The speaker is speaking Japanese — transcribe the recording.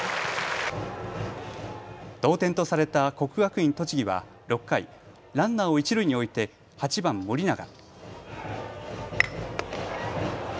同点とされた国学院栃木は６回、ランナーを一塁に置いて８番・盛永。